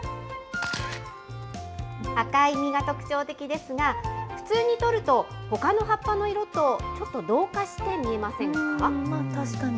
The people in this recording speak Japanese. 赤い実が特徴的ですが、普通に撮るとほかの葉っぱの色とちょっと同化して見えませんか？